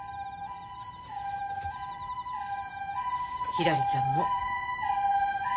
・ひらりちゃんも。